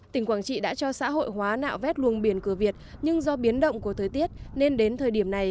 tỉnh quảng trị đã cho xã hội hóa nạo vét luồng biển cửa việt nhưng do biến động của thời tiết nên đến thời điểm này